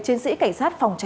chiến sĩ cảnh sát phòng cháy